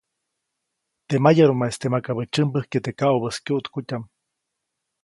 Teʼ mayarumaʼiste makabäʼ tsyämbäjkye teʼ kaʼubäʼis kyuʼtkutyaʼm.